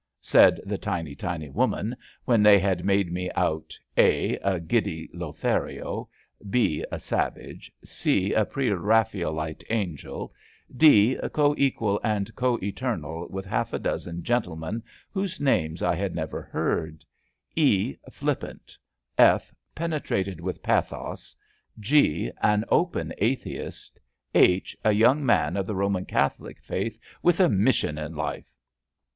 '' said the tiny tiny woman when they had made me out (a) a giddy Lothario; (b) a savage; (c) a pre Eaf aelite angel; (d) co equal and co eternal with half a dozen gentlemen whose names I had never heard; ON EXHIBITION 249 (e) flippant; (f) penetrated with pathos; (g) an open atheist ; (h) a young man of the Boman Cath olic faith with a mission in life.